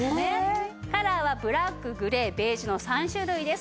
カラーはブラックグレーベージュの３種類です。